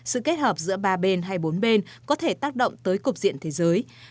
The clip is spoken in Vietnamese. sự kết hợp giữa ba bên hay bốn bên có thể tác động tới cục diện thế giới